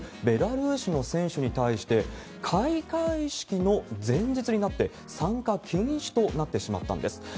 ベラルーシの選手に対して、開会式の前日になって、参加禁止となってしまったんです。